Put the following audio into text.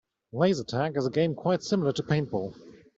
Laser tag is a game quite similar to paintball.